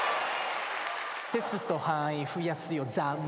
「テスト範囲増やすよざまあｗ」